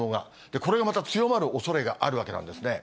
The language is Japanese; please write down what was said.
これがまた強まるおそれがあるわけなんですね。